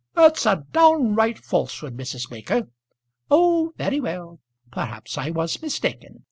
"That's a downright falsehood, Mrs. Baker." "Oh very well. Perhaps I was mistaken.